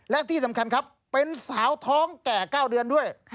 และที่สำคัญครับเป็นสาวท้องแก่๙เดือนด้วย